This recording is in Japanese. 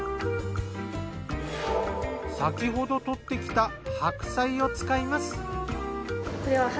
先ほど採ってきた白菜を使います。